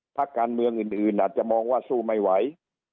พักการเมืองอื่นอาจจะมองว่าสู้ไม่ไหว